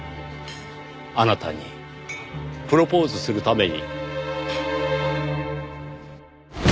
あなたにプロポーズするために。